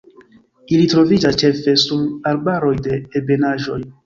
Ili troviĝas ĉefe sur arbaroj de ebenaĵoj.